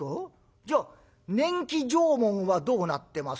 じゃあ年季証文はどうなってます？」。